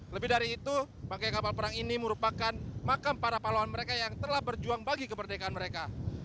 lebih dari itu bangkai kapal perang ini merupakan makam para pahlawan mereka yang telah berjuang bagi kemerdekaan mereka